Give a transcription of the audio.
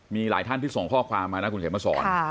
มีหลายท่านที่ส่งข้อความมานะคุณเขียนมาสอน